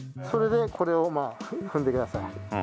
それでこれを踏んでください。